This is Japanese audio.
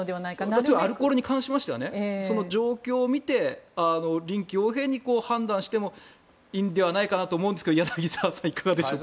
例えばアルコールに関してはその状況を見て臨機応変に判断してもいいのではと思うんですが柳澤さん、いかがでしょうか？